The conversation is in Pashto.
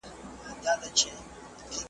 که څوک دي نه پېژني په مسجد کي غلا وکړه .